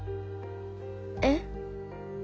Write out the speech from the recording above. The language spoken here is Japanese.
えっ？